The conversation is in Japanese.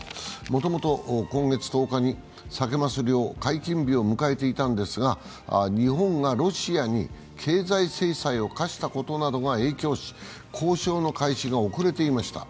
もともと今月１０日にサケ・マス漁解禁日を迎えていたんですが日本がロシアに経済制裁を科したことなどが影響し交渉の開始が遅れていました。